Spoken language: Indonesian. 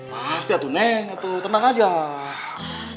pasti tenang aja